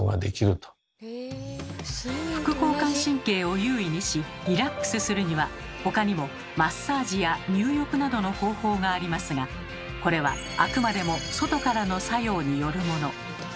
副交感神経を優位にしリラックスするには他にもマッサージや入浴などの方法がありますがこれはあくまでも外からの作用によるもの。